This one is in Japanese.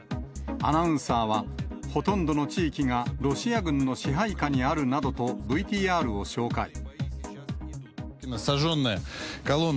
アナウンサーは、ほとんどの地域がロシア軍の支配下にあるなどとＶＴＲを紹介。